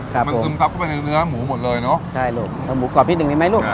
มันซึมซับออกไปในเนื้อหมูหมดเลยเนาะใช่ลูกหมูกรอบที่หนึ่งมีไหมลูก